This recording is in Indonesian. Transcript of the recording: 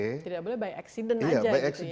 tidak boleh by accident aja gitu ya